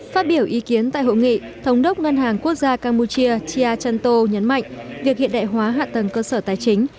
phát biểu ý kiến tại hội nghị thống đốc ngân hàng quốc gia campuchia tia chanto nhấn mạnh việc hiện đại hóa hạ tầng cơ sở tài chính